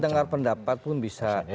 dengar pendapat pun bisa